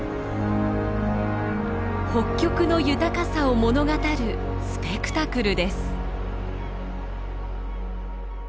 北極の豊かさを物語るスペクタクルです。